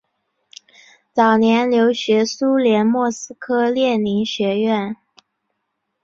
早年留学苏联莫斯科列宁学院。